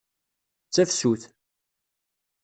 D tafsut.